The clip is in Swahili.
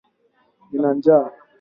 Nina njaa